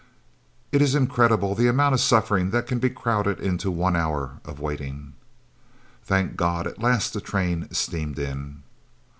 It is incredible the amount of suffering that can be crowded into one hour of waiting! Thank God, at last the train steamed in.